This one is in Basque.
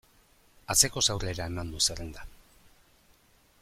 Atzekoz aurrera eman du zerrenda.